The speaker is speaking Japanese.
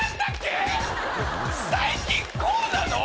最近こうなの？